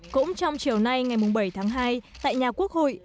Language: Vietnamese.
cũng trong chiều nay ngày bảy tháng hai tại nhà quốc hội